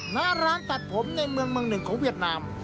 หน้าร้านตัดผมในเมืองเมืองหนึ่งของเวียดนาม